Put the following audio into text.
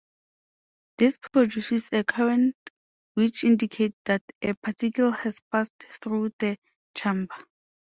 This produces a current which indicates that a particle has passed through the chamber.